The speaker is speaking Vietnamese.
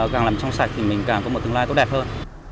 càng làm trong sạch thì mình càng có một tương lai tốt đẹp hơn